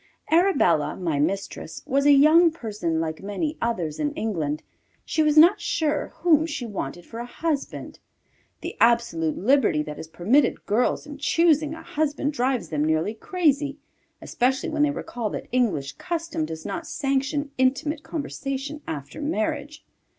Arabella, my mistress, was a young person like many others in England; she was not sure whom she wanted for a husband. The absolute liberty that is permitted girls in choosing a husband drives them nearly crazy, especially when they recall that English custom does not sanction intimate conversation after marriage.